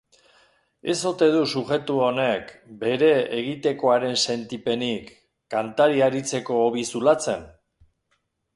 Ez ote du sujetu honek bere egitekoaren sentipenik, kantari aritzeko hobi-zulatzen?